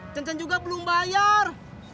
cen cen juga belum bayar